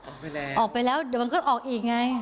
ออกไปแล้วออกไปแล้วเดี๋ยวมันก็ออกอีกไง